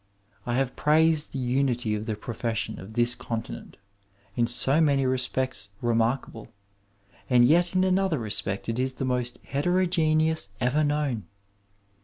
I have praised the unity of the profession of this continent, in so many re spects remarkable, and yet in another respect it is the most heterogeneous ever known.